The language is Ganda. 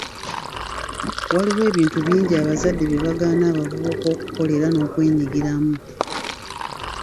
Waliwo ebintu bingi abazadde bye bagaana abavubuka okukola era n'okwenyigiramu